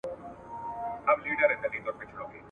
په نغمه کي به شرنګېږم لکه ومه !.